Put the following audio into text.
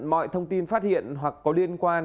mọi thông tin phát hiện hoặc có liên quan